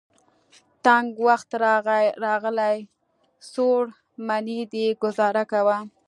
تنګ وخت راغلی. څوړ منی دی ګذاره کوه.